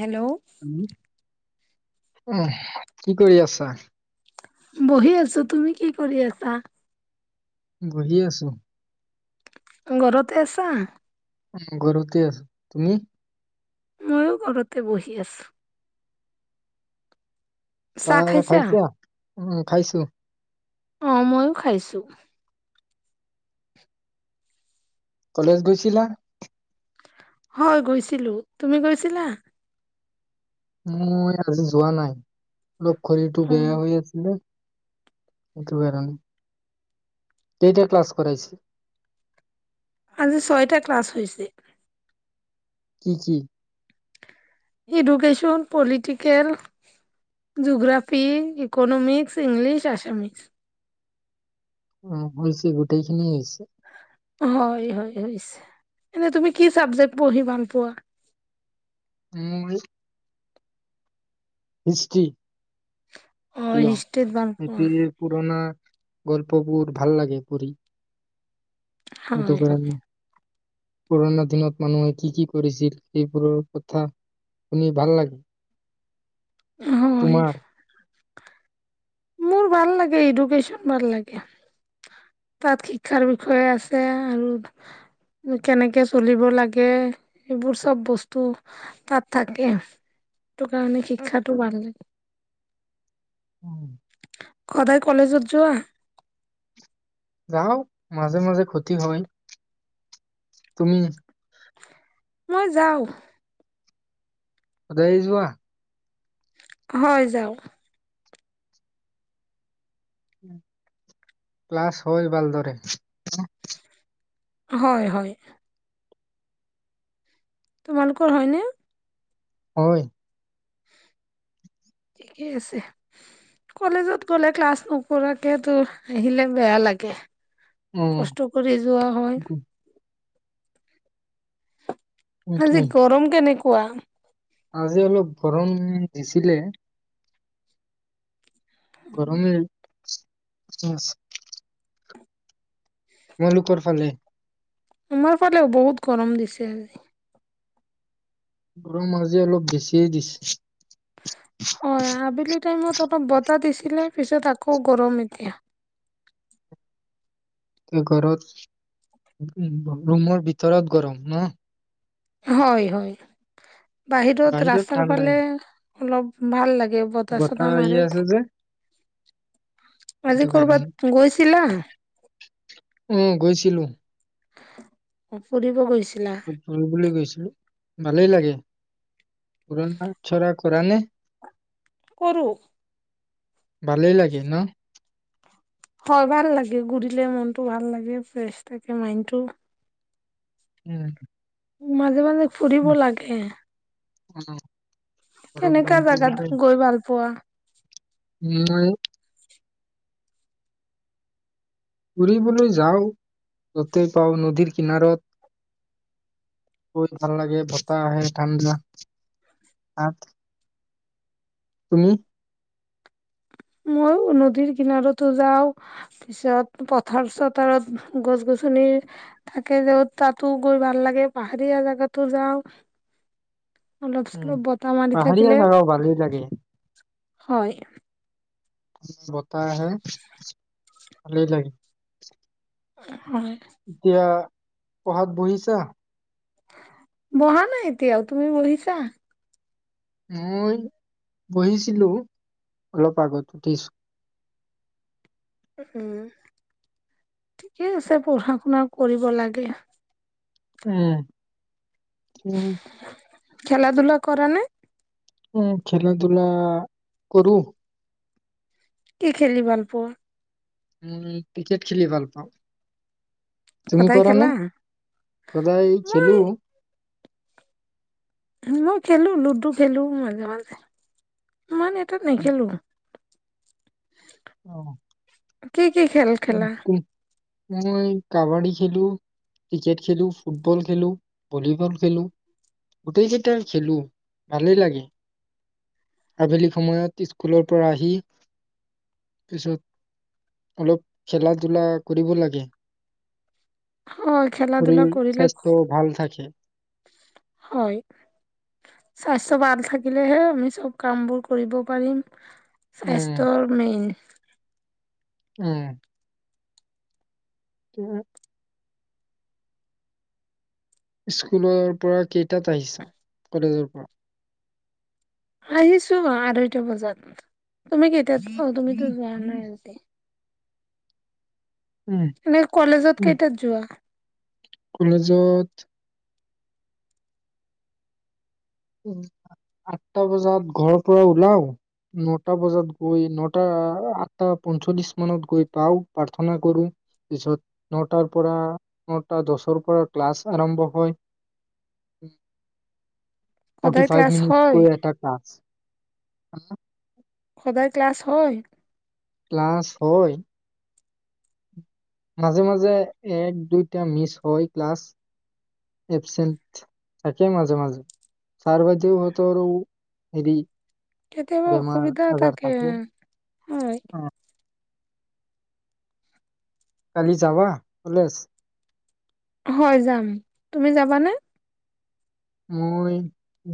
Hello উ কি কৰি আছা? বহি আছো তুমি কি কৰি আছা? বহি আছো। ঘৰতে আছা? অ ঘৰতে আছোঁ, তুমি? ময়ো ঘৰতে বহি আছোঁ। অঁ খাইছা উ খাইছো অঁ মইওঁ খাইছো কলেজ গৈছিলা হয় গৈছিলো তুমি গৈছিলা মই আজি যোৱা নাই অঁ ঘড়ীটো অ বেয়া হৈ আছিলে সেই তোকাৰণে কেইটা ক্লাছ কৰাইছে আজি ছয়টা ক্লাছ হৈছে কি কি education political geography economics English আসামিৰছ উ হৈছে গোটেই খিনি হৈছে হয় হয় হৈছে এনেই তুমি কি চাবজেক্ট পঢ়ি ভাল পোৱা উম হিষ্টষ্ট্ৰী অ হিষ্ট্ৰীত ভাল পোৱা কিয় পুৰণা গল্পবোৰ ভাল লাগে পঢ়ি সেইটো হয় হয় কাৰণে পুৰণা দিনত মানুহে কি কি কৰিছিল সেইবোৰৰ কথা শুনি ভাল লাগে হয় তোমাৰ? মোৰ ভাল লাগে এডুকেশ্যন ভাল লাগে তাত শিক্ষাৰ বিষয়ে আছে আৰু কেনেকে চলিব লাগে সেইবোৰ চব বস্তু তাত থাকে সেইটো কাৰণে শিক্ষাটো ভাল লাগে হদায় কলেজত যোৱা যাওঁ মাজে মাজে ক্ষতি হয় তুমি মই যাওঁ সদাই যোৱা হয় যাওঁ ক্লাছ হৈ ভালদৰে হয় হয় তোমালোকৰ হয়নে হয় ঠিকে আছে কলেজত গলে ক্লাছ নকৰাকে তো আহিলে বেয়া লাগে উম কষ্ট কৰি যোৱা হয় আজি সেইটোৱে গৰম কেনে কোৱা আজি অলপ গৰম দিছিলে গৰমেই [unintelligible] তোমালোকৰ ফালে আমাৰ ফালে বহুত গৰম দিছে আজি গৰম আজে অলপ বেছিয়ে দিছে হয় আবেলী টাইমত অলপ বতাহ দিছিলে পিছত আকৌ গৰম এতিয়া ঘৰত ৰুমৰ ভিতৰত গৰম ন হয় হয় বাহিৰত ৰাস্তাৰ ফালে অলপ ভাল লাগে এই বতাহ চতা আহি মাৰে আছে যে সেইটো আজি কাৰণে কৰ'বাত গৈছিলা উম গৈছিলো অ ফুৰিব গৈছে ফুৰিবলৈ গৈছিলো ভালেই লাগে পুৰণা চৰা কৰা নে কৰো ভালেই লাগে ন হয় ভাল লাগে ঘুৰিলে মনতটো ভাল লাগে ফ্ৰেছ থাকে মাইডটো উম মাজে মাজে ফুৰিব লাগে উ কেনেকা জাগাত গৈ ভাল পোৱা মই ফৰিবলৈ যাওঁ য'তেই পাও নদীৰ কিনাৰত গৈ ভাল লাগে বতাহ আহে ঠাণ্ডা তাত তুমি মই নদীৰ কিনাৰতো যাওঁ পিছত পথাৰ চথাৰত গছ গছনি থাকে যত তাতো গৈ ভাল লাগে পাহাৰীয়া জেগাতো যাওঁ অলপ উম। চলপ বতাহ মাৰি পাহাৰীয়া থাকিলে জাগা ভালেই লাগে হয় বতাহ আহে ভালেই লাগে হয় এতিয়া পঢ়াত বহিছা বহা নাই এতিয়াও তুমি বহিছা মই বহিছিলো অলপ আগত উঠিছো উ ঠিকে আছে পঢ়া শুনা কৰিব লাগে উম উ খেলা ধলা কৰা নে অ খেলা ধূলা কৰো কি খেলি ভালপোৱা উম ক্ৰিকেট খেলি ভাল পাওঁ তুমি সদায় কৰা নে খেলা সদায় মই খেলো মই খেলো লুডু খেলো মাজে মাজে ইমান এটাাত নেখেলো অহ কি কি কি খেল খেলা? মই কাবাডী খেলো, ক্ৰিকেট খেলো, ফুটবল খেলো, ভলীবল খেলো, গোটেই কেইটা খেলো ভালেই লাগে আবেলি সময়ত স্কুলৰ পৰা আহি পিছত অলপ। খেলা ধূলা কৰিব লাগে। হয় খেলা ধূলা শৰীৰ কৰিলে, স্বাস্থ্য ভাল থাকে হয়। স্বাস্থ্য ভাল থাকিলেহে আমি চব কামবোৰ কৰিব পাৰিম। উম স্বাস্থ্যৰ মেইন উম উ স্কুলৰ পৰা কেইটাত আহিছা, কলেজৰ পৰা? আহিছো আঢ়ৈটা বজাত। তুমি কেইতা? তাত অ' তুমি ত যোৱা নাই। উম এনে কলেজত উম কেইটাত যোৱা? কলেজত উ আঠটা বজাত ঘৰৰ পৰা ওলাও নটা বজাত গৈ নটা আঠটা পঞ্চল্লিশ মানত গৈ পাও প্ৰাৰ্থনা কৰো পিছত নটাৰ পৰা নটা দছৰ পৰা ক্লাছ আৰম্ভ হয়। ফৰ্টি সদায় ফাইভ ক্লাছ মিনিট হয় কৈ এটা ক্লাছ। হ সদায় ক্লাছ হয়? ক্লাছ হয়। মাজে মাজে এক দুইটা মিচ হয় ক্লাছ এবচেণ্ট থাকে মাজে মাজে, ছাৰ বাইদেও হতৰো হেৰি। কেতিয়াবা বেমাৰ অসুবিধা আজাৰ থাকে হয়। অ কালি যাবা কলেজ? হয় যাম। তুমি যাবানে? মই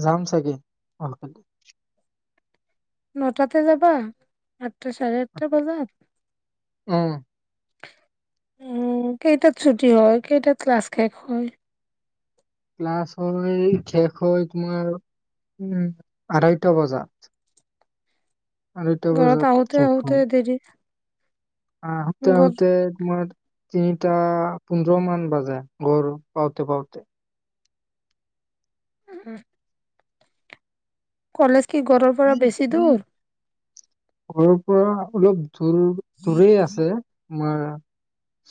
যাম চাগে অহ নটাতে যাবা আঠটা চাৰে আঠটা বজাত উম উম কেইটাত ছুটি হয় কেইটাত ক্লাছ শেষ হয় ক্লাছ হয় শেষ হয় তোমাৰ উম আঢ়াইটা বজাত আঢ়ৈটা ঘৰত বজাত আহোতে আহোতে দেৰি অ' আহোতে ঘৰ আহোতে তোমাৰ তিনিটা পোন্ধৰ মান বাজে ঘৰ পাওঁতে পাওঁতে উম কলেজ কি ঘৰৰ পৰা বেছি পাওঁতে দূৰ ঘৰৰ পৰা অলপ দূৰ দূৰেই আছে তোমাৰ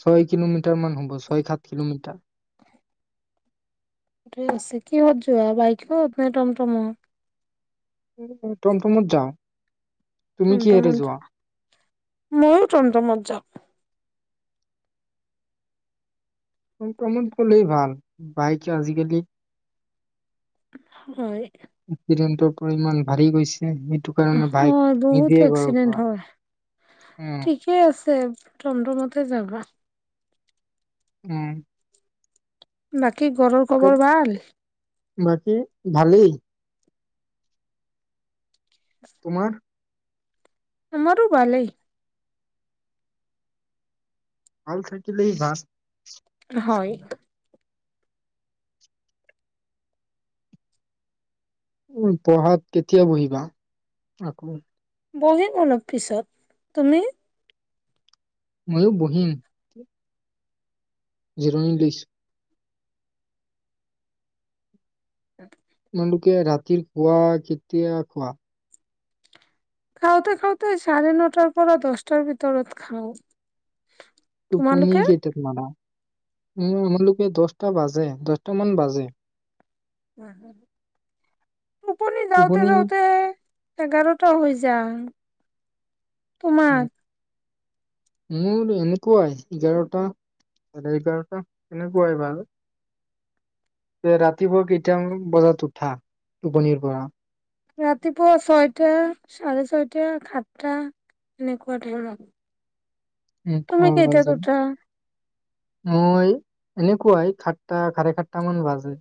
ছয় কিলোমিটাৰ মান হ'ব ছয় সাত কিলোমিটাৰ ছে কিহত যোৱা বাইকত নাই টমটমত টমটমত যাও টম টমত যা, ময়ো টম টমত যাওঁ। অ', টম টমত গলেই ভাল, বাইকে আজিকালি হয় এক্সিডেণ্টৰ ইমান বাঢ়ি গৈছে। সেইটো কাৰণে বাইক হয়, বহুত নিদিয়ে ঘৰৰ এক্সিডেণ্ট পৰা হয়। উম ঠিকেই আছে টম টমতে যাবা। উম', বাক কি ঘৰৰ খবৰ ক- ভাল? বাকী ভালেই তোমাৰ আমাৰো ভালেই ভাল থাকিলেই ভা হয়। উ, পঢ়াত কেতিয়া বহিবা? আকৌ বহিম অলপ পিছত, তুমি ময়ো বহিম। জিৰো ইংলিছ উম, তোমালোকে ৰাতিৰ খোৱা কেতিয়া খোৱা? খাওঁতে-খাওঁতে চাৰে নটাৰ পৰা দছটাৰ ভিতৰত খাও। টোপনি কেইটাত মাৰা? উ, আমালোকে দছটা বাজে, দহটা মান বাজে [inaudible] টোপনি যাওঁতে-যাওঁতে, এঘাৰটা হৈ যায়। উম, তোমাক মোৰ এনেকুৱাই, এঘাৰটা চাৰে এঘাৰটা এনেকুৱাই বাৰু। ৰাতিপুৱা কেইটা বজাত উঠা টোপনিৰ পৰা? ৰাতিপুৱা ছয়টা, চাৰে ছয়টা, সাতটা এনেকুৱা ধৰক উম, তুমি কোৱা কেইতিয়াত বাজে উঠা? মই এনেকুৱাই, খাট্টা খাৰে খাাটটা মান বাজে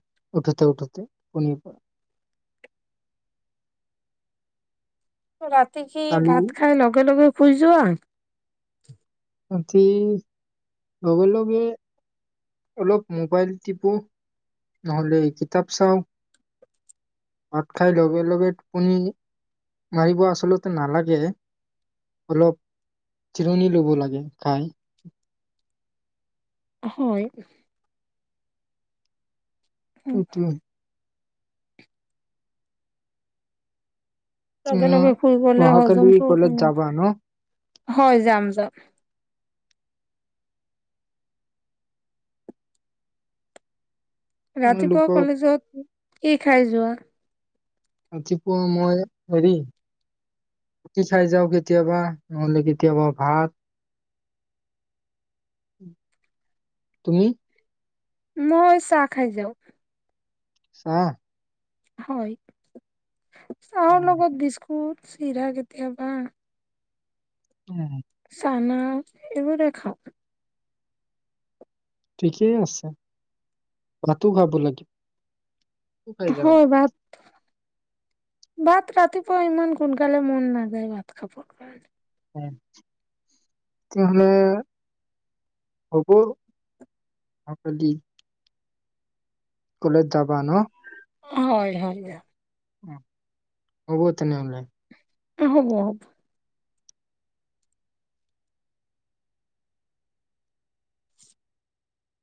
উঠোতে উঠোতে টোপনীৰ পৰা। ৰাতি কি কালি ভাত খাই লগে লগে বুজোৱা ৰাতি লগে-লগে অলপ মোবাইল টিপো, নহ'লে কিতাপ চাওঁ। ভাত খাই লগে-লগে টোপনি মাৰিব আচলতে নালাগে, অলপ জিৰণি লব লাগে খাই। হয়। উটো উম, লগে-লগে শুই গলে অহাকালি হজমটো কলেজ [unintelligible] যাবা ন? হয়, যাম-যাম। ৰাতিপুৱা তোমালোকক কলেজত এক খাই যোৱা ৰাতিপুৱা মই হেৰি ৰাতি চাই যাওঁ কেতিয়াবা নহলে কেতিয়াবা ভাত তুমি মই চাহ খাই যাওঁ চাহ হয় চাহৰ উম লগত বিস্কুট চিৰা কেতিয়াবা উম, চানা এইবোৰে খাও ঠিকেই আছে ভাতো খাব লাগে। হয় বাট ভাত ৰাতিপুৱা ইমান সোনকালে মন নাযায় ভাত খাবৰ কাৰণে, তেতিয়াহলে হ'ব আ দি কলেজ যাবা ন হয় হয় অ হ'ব তেনে হ'ব হ'ব